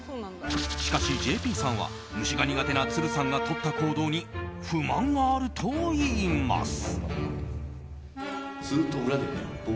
しかし、ＪＰさんは虫が苦手な都留さんがとった行動に不満があるといいます。